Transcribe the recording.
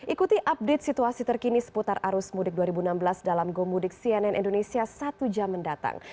ikuti update situasi terkini seputar arus mudik dua ribu enam belas dalam gomudik cnn indonesia satu jam mendatang